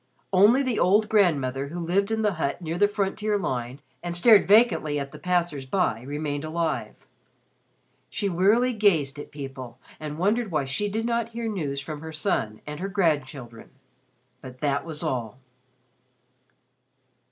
Only the old grandmother who lived in the hut near the frontier line and stared vacantly at the passers by remained alive. She wearily gazed at people and wondered why she did not hear news from her son and her grandchildren. But that was all.